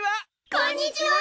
こんにちは。